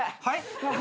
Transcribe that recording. はい？